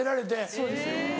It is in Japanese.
そうです。